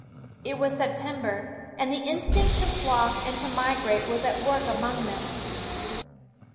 It was September, and the instinct to flock and to migrate was at work among them.